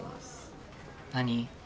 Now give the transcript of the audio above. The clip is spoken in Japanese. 何？